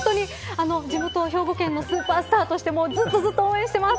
地元、兵庫県のスーパースターとしてずっと応援しています。